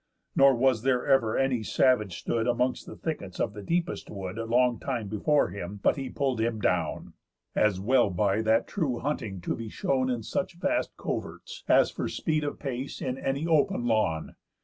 Nor was there ever any savage stood Amongst the thickets of the deepest wood Long time before him, but he pull'd him down; As well by that true hunting to be shown In such vast coverts, as for speed of pace In any open lawn.